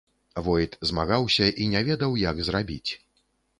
Войт змагаўся і не ведаў, як зрабіць.